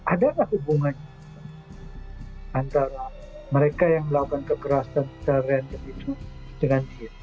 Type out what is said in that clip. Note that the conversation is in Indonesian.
adakah hubungannya antara mereka yang melakukan kekerasan teren itu dengan dia